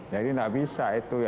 jadi tidak bisa itu